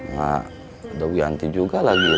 mak ada wianti juga lagi